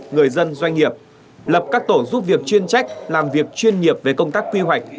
người dân doanh nghiệp lập các tổ giúp việc chuyên trách làm việc chuyên nghiệp về công tác quy hoạch